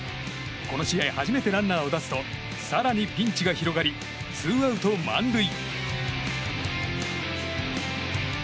この試合初めてランナーを出すと更にピンチが広がりツーアウト満塁。